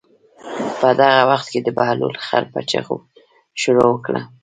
په دغه وخت کې د بهلول خر په چغو شروع وکړه.